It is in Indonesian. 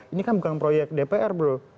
ini kan bukan proyek dpr bro